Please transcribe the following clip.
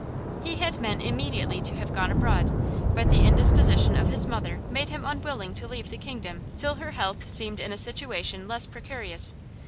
He had meant immediately to have gone abroad; but the indisposition of his mother made him unwilling to leave the kingdom till her health seemed in a situation less precarious.